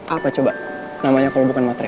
apa coba namanya kalau bukan materai